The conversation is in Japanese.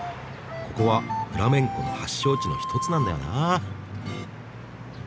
ここはフラメンコの発祥地の一つなんだよな。